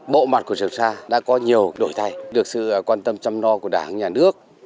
bộ mặt của trường sa đã có nhiều đổi thay được sự quan tâm chăm lo của đảng nhà nước